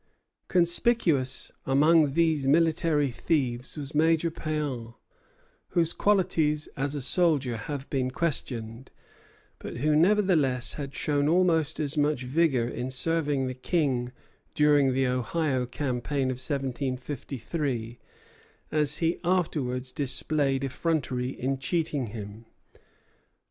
Conspicuous among these military thieves was Major Péan, whose qualities as a soldier have been questioned, but who nevertheless had shown almost as much vigor in serving the King during the Ohio campaign of 1753 as he afterwards displayed effrontery in cheating him.